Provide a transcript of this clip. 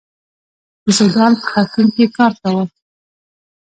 د سوډان په خرتوم کې کار کاوه.